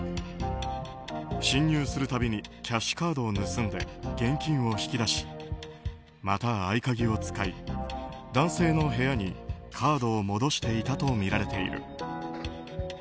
侵入する度にキャッシュカードを盗んで現金を引き出しまた合鍵を使い男性の部屋にカードを戻していたとみられている。